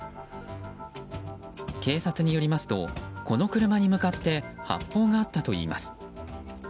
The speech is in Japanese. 警察によりますとこの車に向かって発砲があったといいます。